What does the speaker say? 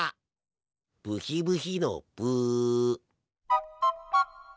ブヒブヒのブ。